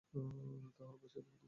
তাহলে বাচ্চাদের মতো প্রশ্ন করছো কেন?